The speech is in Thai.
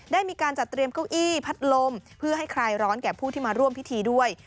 ได้มีการจัดเตรียมเก้าอี้พัดลมเพื่อให้คลายร้อนแก่ผู้ที่มาร่วมพิธีด้วย